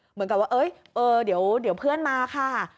เหมือนกับว่าเดี๋ยวเพื่อนมาค่ะ